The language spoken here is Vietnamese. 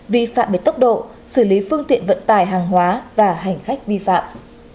vi phạm về tốc độ xử lý phương tiện vận tải hàng hóa và hành khách vi phạm